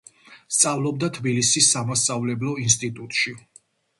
სწავლობდა თბილისის სამასწავლებლო ინსტიტუტში.